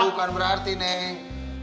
neng bukan berarti neng